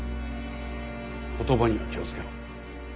言葉には気を付けろ。